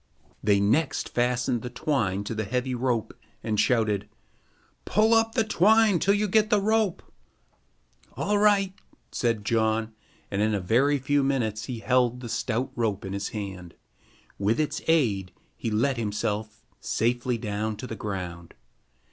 They next fastened the twine to the heavy rope and shouted: "Pull up the twine till you get the rope." "All right," said John, and in a very few minutes he held the stout rope in his hand. With its aid, he let himself safely down to the ground.